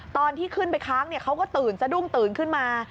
ตอนที่ขึ้นไปค้างเขาก็ตื่นสะดุ้งตื่นขึ้นมา